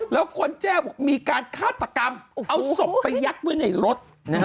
แล้วคนแจ้วมีการฆาตกรรมเอาศพไปยักษ์ไว้ในรถ